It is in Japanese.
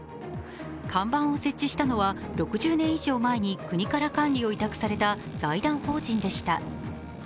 看板を設置したのは６０年以上前に国から管理を委託された財団法人でした。